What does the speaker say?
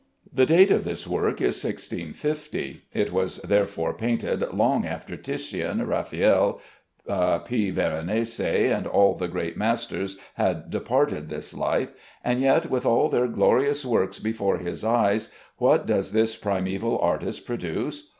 The date of this work is 1650. It was therefore painted long after Titian, Raffaelle, P. Veronese, and all the great masters had departed this life, and yet with all their glorious works before his eyes what does this primeval artist produce?